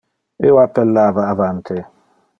Io appellava avante.